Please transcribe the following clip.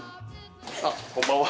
あっこんばんは。